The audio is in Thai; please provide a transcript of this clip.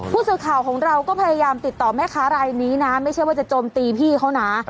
ผู้สื่อข่าวของเราก็พยายามติดต่อแม่ค้ารายนี้นะไม่ใช่ว่าจะโจมตีพี่เขานะ